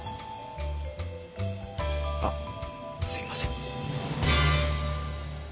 あっすいません。